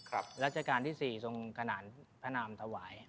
รัชกาลที่๔ทรงขนานพระนามถวาย